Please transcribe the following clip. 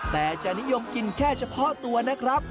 แต่จะนิยมกินแค่เฉพาะตัวนะครับ